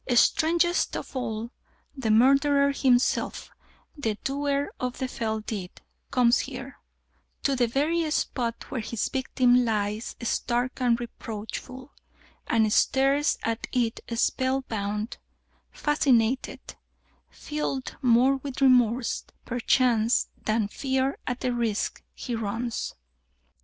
Strangest of all, the murderer himself, the doer of the fell deed, comes here, to the very spot where his victim lies stark and reproachful, and stares at it spellbound, fascinated, filled more with remorse, perchance, than fear at the risk he runs.